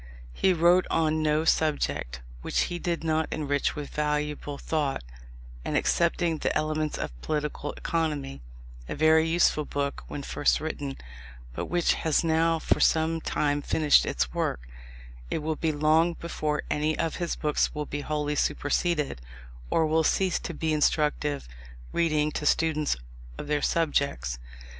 He wrote on no subject which he did not enrich with valuable thought, and excepting the Elements of Political Economy, a very useful book when first written, but which has now for some time finished its work, it will be long before any of his books will be wholly superseded, or will cease to be instructive reading to students of their subjects.